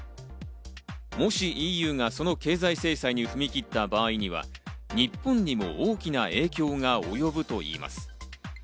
もしＥＵがその経済制裁に踏み切った場合には、日本にも大きな影響が及ぶといいます。